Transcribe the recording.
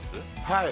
◆はい。